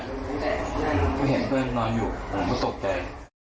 ก็เห็นเพื่อนนอนอยู่ผมก็ตกใจ